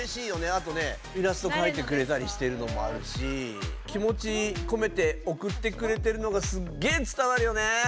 あとねイラストかいてくれたりしてるのもあるし気もちこめておくってくれてるのがすっげぇつたわるよね！